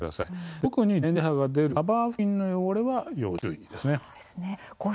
特に電磁波が出るカバー付近の汚れは要注意です。